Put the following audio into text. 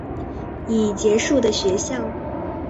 已结束的学校